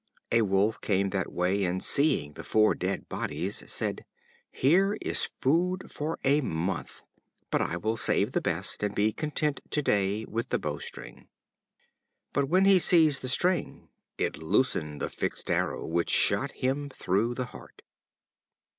A Wolf came that way, and seeing the four dead bodies, said: "Here is food for a month; but I will save the best, and be content to day with the bow string." But when he seized the string it loosened the fixed arrow, which shot him through the heart.